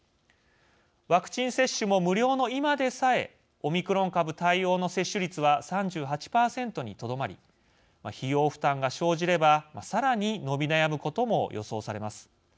ワクチン接種も、無料の今でさえオミクロン株対応の接種率は３８％にとどまり費用負担が生じれば、さらに伸び悩むことも予想されます。